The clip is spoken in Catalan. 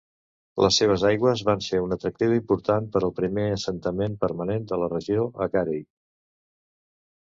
Les seves aigües van ser un atractiu important per al primer assentament permanent de la regió, a Carey.